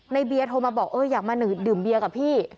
เบียร์โทรมาบอกเอออยากมาดื่มเบียร์กับพี่